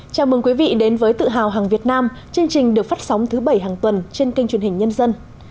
chào mừng quý vị đến với tự hào hàng việt nam chương trình được phát sóng thứ bảy hàng tuần trên kênh truyền hình nhân dân